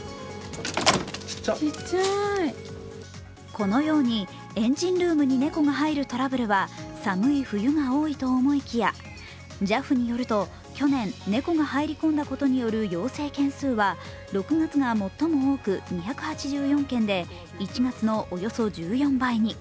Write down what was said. このようにエンジンルームに猫が入るトラブルは寒い冬が多いと思いきや、ＪＡＦによると去年、猫が入り込んだことによる要請件数は、６月が最も多く、２８４件で１月のおよそ１４倍に。